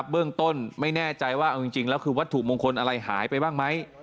เบื้องต้นไม่แน่ใจว่าเอาจริงแล้วคือวัตถุมงคลอะไรหายไปบ้างไหม